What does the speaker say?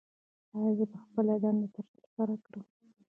ایا زه به خپله دنده ترسره کړم؟